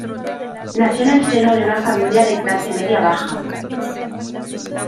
Nació en el seno de una familia de clase media baja.